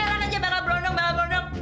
erang aja bakal berondong bakal berondong